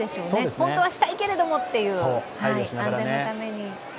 本当はしたいけれども、安全のために。